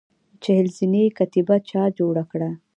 چهل زینې کتیبه چا جوړه کړه؟